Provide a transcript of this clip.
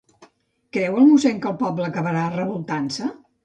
Creu el mossèn que el poble acabarà revoltant-se?